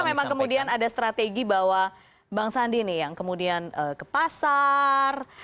apakah memang kemudian ada strategi bahwa bang sandi nih yang kemudian ke pasar